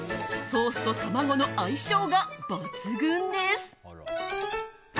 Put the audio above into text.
ソースと卵の相性が抜群です。